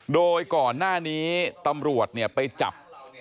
โดยก่อนหน้านี้ตำรวจไปจับ